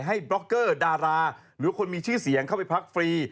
บล็อกเกอร์ดาราหรือคนมีชื่อเสียงเข้าไปพักฟรี